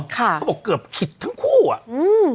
เขาบอกเกือบขิดทั้งคู่อ่ะอืม